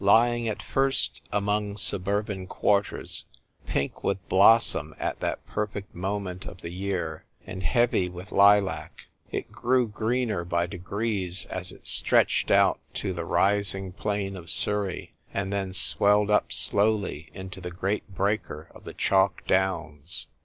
Lying at first among suburban quarters, pink with blossom at that perfect moment of the year, and heavy with lilac, it grew greener by degrees as it stretched out to the rising plain of Surrey and then swelled up slowly into the great breaker of the chalk downs.